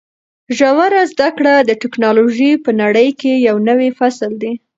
ژوره زده کړه د ټکنالوژۍ په نړۍ کې یو نوی فصل دی.